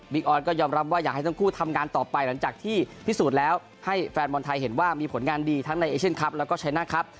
ออนก็ยอมรับว่าอยากให้ทั้งคู่ทำงานต่อไปหลังจากที่พิสูจน์แล้วให้แฟนบอลไทยเห็นว่ามีผลงานดีทั้งในเอเชียนคลับแล้วก็ชัยหน้าครับ